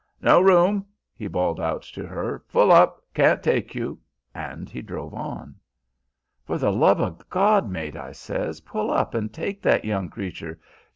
'No room' he bawled out to her 'full up, can't take you!' and he drove on. 'For the love o' God, mate,' I says, 'pull up and take that young creature!